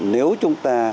nếu chúng ta